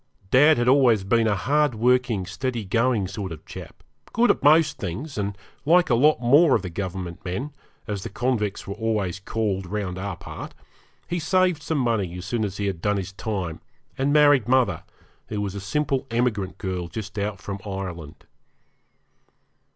Dad had always been a hard working, steady going sort of chap, good at most things, and like a lot more of the Government men, as the convicts were always called round our part, he saved some money as soon as he had done his time, and married mother, who was a simple emigrant girl just out from Ireland.